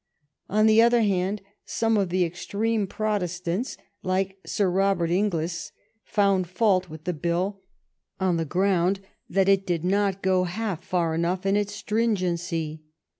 On the other hand, some of the extreme Protestants like Sir Robert Inglis found fault with the bill on the ground that it did not go half far enough in its stringency.